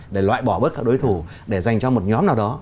để loại bỏ bất cả đối thủ để dành cho một nhóm nào đó